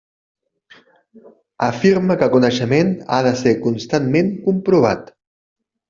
Afirma que el coneixement ha de ser constantment comprovat.